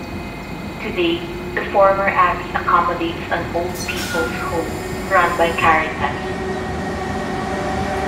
Today the former abbey accommodates an old people's home run by Caritas.